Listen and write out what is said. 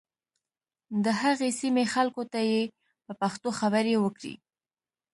د هغې سیمې خلکو ته یې په پښتو خبرې وکړې.